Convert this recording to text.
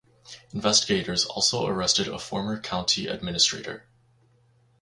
Investigators also arrested a former county administrator.